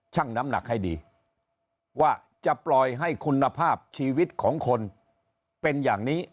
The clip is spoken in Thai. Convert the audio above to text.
น้ำหนักให้ดีว่าจะปล่อยให้คุณภาพชีวิตของคนเป็นอย่างนี้